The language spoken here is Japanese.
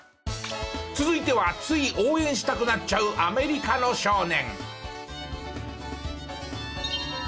続いてはつい応援したくなっちゃうアメリカの少年。